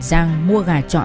giang mua gà trọ